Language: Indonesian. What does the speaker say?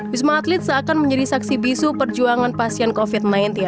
wisma atlet seakan menjadi saksi bisu perjuangan pasien covid sembilan belas